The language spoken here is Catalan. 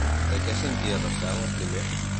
De què sentia recel el primer?